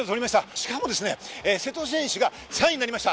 しかも瀬戸選手が３位になりました。